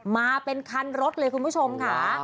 มาเป็นคันรถเลยคุณผู้ชมค่ะ